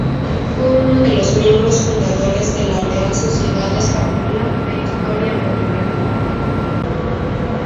Fue uno de los miembros fundadores de la Real Sociedad Española de Historia Natural.